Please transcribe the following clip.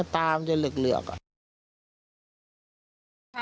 ตามันจะเหลือกอะ